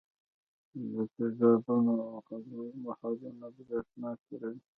د تیزابونو او القلیو محلولونه برېښنا تیروي.